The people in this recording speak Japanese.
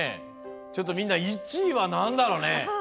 ちょっとみんな１位はなんだろうね？